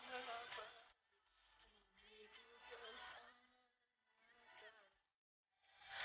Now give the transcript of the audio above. kalau kita sudah belajar sync cowok